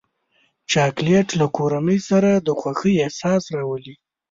چاکلېټ له کورنۍ سره د خوښۍ احساس راولي.